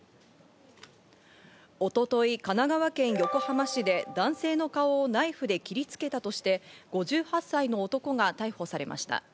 一昨日、神奈川県横浜市で男性の顔をナイフで切りつけたとして５８歳の男が逮捕されました。